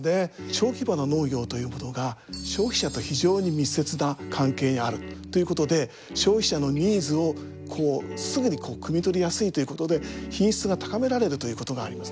小規模な農業ということが消費者と非常に密接な関係にあるということで消費者のニーズをすぐにくみ取りやすいということで品質が高められるということがあります。